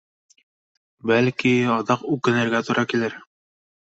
Бәлки, аҙаҡ үкенергә тура килер